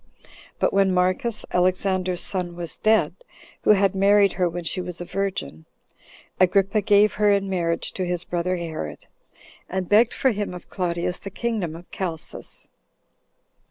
But when Marcus, Alexander's son, was dead, who had married her when she was a virgin, Agrippa gave her in marriage to his brother Herod, and begged for him of Claudius the kingdom of Chalcis.